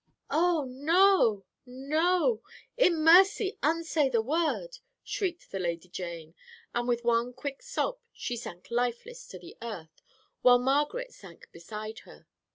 "'Oh no, no; in mercy unsay the word!' shrieked the Lady Jane, and with one quick sob she sank lifeless to the earth, while Margaret sank beside her.